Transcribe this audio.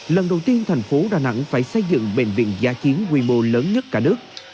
lần đầu tiên tp đà nẵng phải xây dựng bệnh viện giã chiến quy mô lớn nhất cả nước